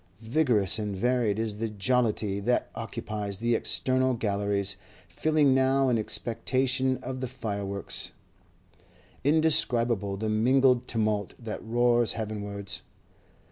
Vigorous and varied is the jollity that occupies the external galleries, filling now in expectation of the fireworks; indescribable the mingled tumult that roars heavenwards.